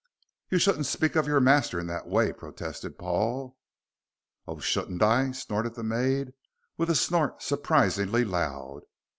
"You shouldn't speak of your master in that way," protested Paul. "Oh, shouldn't I," snorted the maid, with a snort surprisingly loud.